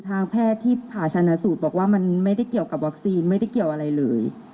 ทางแพทย์ที่ผ่าชนะสูตรบอกว่ามันไม่ได้เกี่ยวกับวัคซีนไม่ได้เกี่ยวอะไรเลย